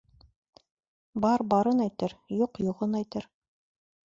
Бар барын әйтер, юҡ юғын әйтер.